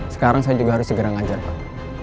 sekarang saya juga harus segera ngajar pak